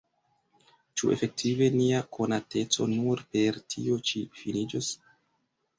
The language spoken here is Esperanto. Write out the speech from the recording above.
Ĉu efektive nia konateco nur per tio ĉi finiĝos?